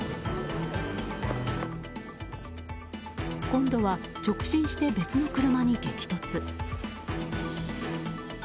今度は直進して別の車に激突。